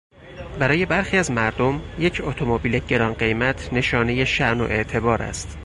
برای برخی از مردمیک اتومبیل گرانقیمت نشانهی شان و اعتبار است.